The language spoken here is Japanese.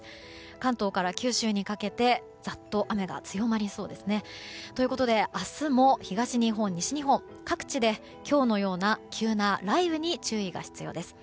関東から九州にかけてざっと雨が強まりそうですね。ということで、明日も東日本、西日本各地で今日のような急な雷雨に注意が必要です。